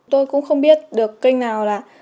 tôi cũng không biết được kênh nào